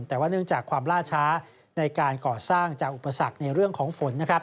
แต่ว่าเนื่องจากความล่าช้าในการก่อสร้างจากอุปสรรคในเรื่องของฝน